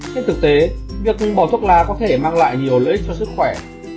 trên thực tế việc bỏ thuốc lá có thể mang lại nhiều lợi ích cho sức khỏe